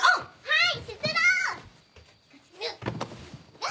はい！